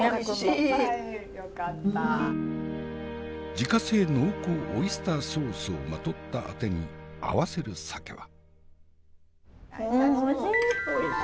自家製濃厚オイスターソースをまとったあてに合わせる酒は？